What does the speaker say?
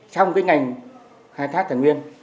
trong cái ngành khai thác tài nguyên